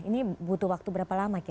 ini butuh waktu berapa lama kira kira pak